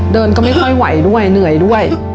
เดินก็ไม่ค่อยไหวด้วยเหนื่อยด้วย